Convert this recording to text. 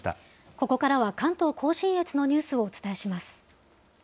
ここからは関東甲信越のニュースをお伝えします。